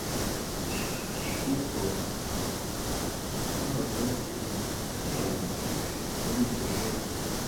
kuko habaga ibitaramo muri icyo gihugu